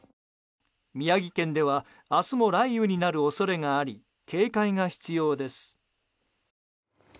宮城県では明日も雷雨になる恐れがあり警戒が必要です。